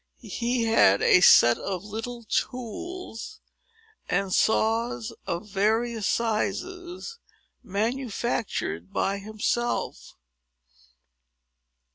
He had a set of little tools, and saws of various sizes, manufactured by himself.